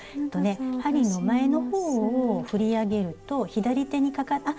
針の前の方を振り上げると左手にかかって。